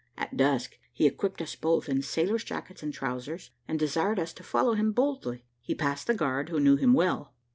At dusk he equipped us both in sailor's jackets and trowsers, and desired us to follow him boldly. He passed the guard, who knew him well.